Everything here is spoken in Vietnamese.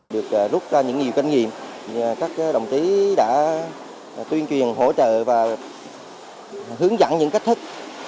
được rút ra những nhiều kinh nghiệm các đồng chí đã tuyên truyền hỗ trợ và hướng dẫn những cách thức